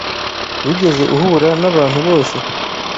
Wigeze uhura nabantu bose?